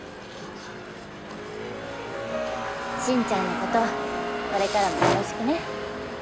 進ちゃんの事これからもよろしくね。